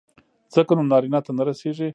ځکه نو نارينه ته نه رسېږي.